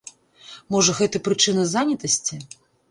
Можа гэта прычына занятасці?